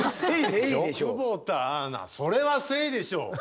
久保田アナそれはセイでしょう！